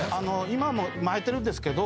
今も巻いてるんですけど。